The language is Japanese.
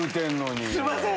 すいません！